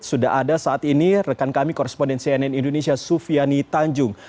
sudah ada saat ini rekan kami koresponden cnn indonesia sufiani tanjung